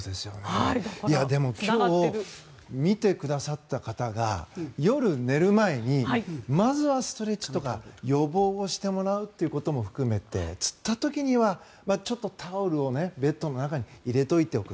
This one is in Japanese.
でも今日、見てくださった方が夜、寝る前にまずはストレッチとか予防をしてもらうということも含めてつった時には、ちょっとタオルをベッドの中に入れておく。